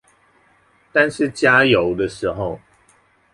但是加油的時候